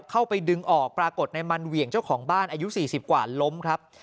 เข้าไปดึงออกปรากฏในมันเหวี่ยงเจ้าของบ้านอายุ๔๐กว่าล้มครับ